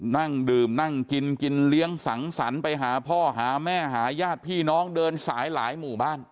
นั่งดื่มนั่งกินกินเลี้ยงสังสรรค์ไปหาพ่อหาแม่หาญาติพี่น้องเดินสายหลายหมู่บ้าน